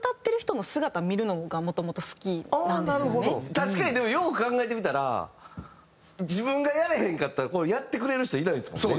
確かにでもよう考えてみたら自分がやれへんかったらやってくれる人いないんですもんね。